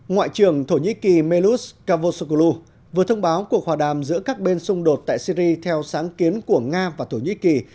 ngoại trưởng thổ nhĩ kỳ melut cavosoklu vừa thông báo cuộc hòa đàm giữa các bên xung đột tại syri theo sáng kiến của nga và thổ nhĩ kỳ